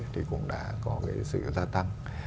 thì cũng đã có sự gia tăng